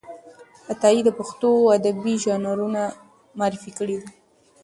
عطايي د پښتو ادبي ژانرونه معرفي کړي دي.